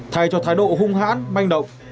thay cho thái độ hung hãn manh động